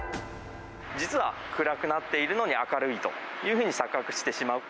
実は暗くなっているのに、明るいというふうに錯覚してしまう。